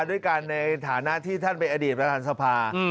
ด้วยกันในฐานะที่ท่านเป็นอดีตประธานสภา